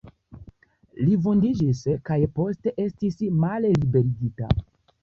Li vundiĝis kaj poste estis malliberigita.